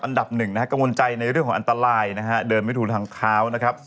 อันดับ๑กังวลใจในเรื่องของอันตรายเดินไม่ถูกทางขาว